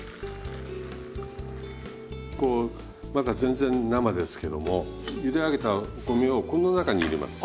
こうまだ全然生ですけどもゆで上げたお米をこの中に入れます。